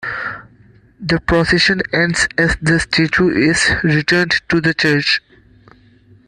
The procession ends as the statue is returned to the church.